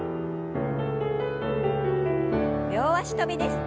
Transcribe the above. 両脚跳びです。